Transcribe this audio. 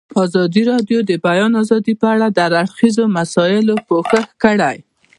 ازادي راډیو د د بیان آزادي په اړه د هر اړخیزو مسایلو پوښښ کړی.